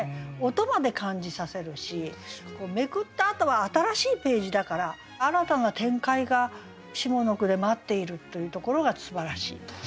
音まで感じさせるし捲ったあとは新しいページだから新たな展開が下の句で待っているというところがすばらしい。